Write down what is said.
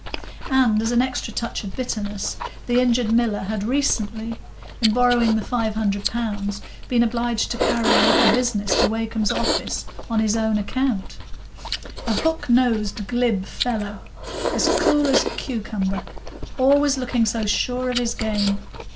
And as an extra touch of bitterness, the injured miller had recently, in borrowing the five hundred pounds, been obliged to carry a little business to Wakem's office on his own account. A hook nosed glib fellow! as cool as a cucumber,—always looking so sure of his game!